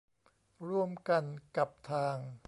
ร่วมกันกับทาง